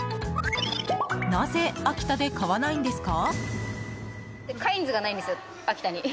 なぜ秋田で買わないんですか？